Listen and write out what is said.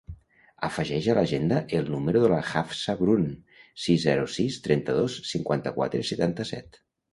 Afegeix a l'agenda el número de la Hafsa Brun: sis, zero, sis, trenta-dos, cinquanta-quatre, setanta-set.